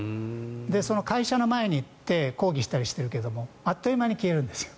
その会社の前に行って抗議したりしているけどあっという間に消えるんです。